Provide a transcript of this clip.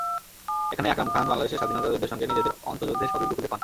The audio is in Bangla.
এখানেই আকরাম খান বাংলাদেশের স্বাধীনতাযুদ্ধের সঙ্গে নিজের অন্তর্যুদ্ধের সাযুজ্য খুঁজে পান।